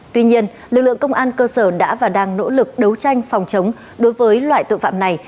tuy nhiên lực lượng công an cơ sở đã và đang nỗ lực đấu tranh phòng chống đối với loại tội phạm này